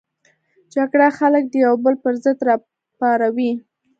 جګړه خلک د یو بل پر ضد راپاروي